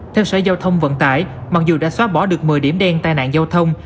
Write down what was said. theo sở giao thông vận tải mặc dù đã xóa bỏ được một mươi điểm đen tai nạn giao thông